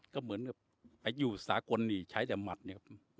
ก็เหมือนกับอายุสากลนี่ใช้แต่หมัดเนี่ยครับ